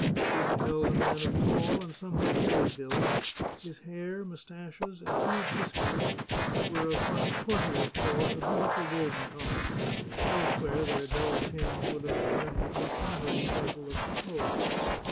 She beheld a man of tall and somewhat heavy build ; his hair, mustaches, and huge whiskers were of what his courtiers called a beau 113 The Chartreuse of Parma tiful golden colour; elsewhere their dull tinge would have earned the unflattering title of tow.